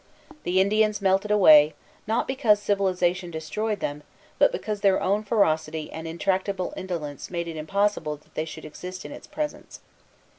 The Indians melted away, not because civilization destroyed them, but because their own ferocity and intractable indolence made it impossible that they should exist in its presence.